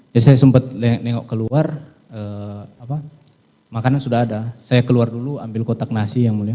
jadi saya sempat lihat keluar makanan sudah ada saya keluar dulu ambil kotak nasi ya mulia